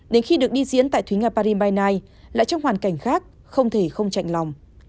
đến khi được đi diễn tại thúy nga party by night lại trong hoàn cảnh khác không thể không chạy lòng